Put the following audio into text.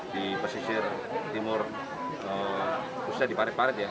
di pesisir timur khususnya di parit parit ya